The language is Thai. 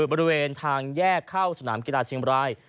บริเวณทางแยกเข้าสนามกีฬาเชียงบราย